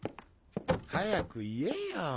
早く言えよ。